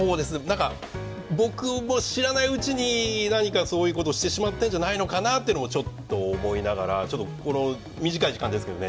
何か僕も知らないうちに何かそういうことをしてしまってんじゃないのかなっていうのもちょっと思いながらこの短い時間ですけどね